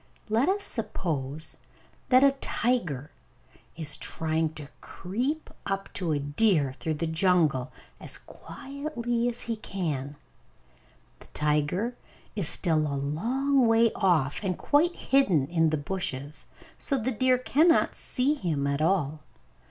Let us suppose that a tiger is trying to creep up to a deer through the jungle, as quietly as he can. The tiger is still a long way off, and quite hidden by the bushes, so the deer cannot see him at all.